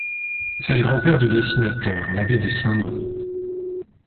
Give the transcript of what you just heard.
C’est le grand-père du dessinateur, l’abbé de Saint-Non.